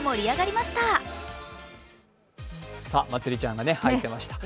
まつりちゃんが入ってました。